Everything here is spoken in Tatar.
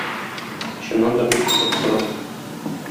Чыннан да бик кызык сорау.